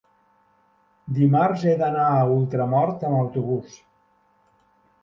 dimarts he d'anar a Ultramort amb autobús.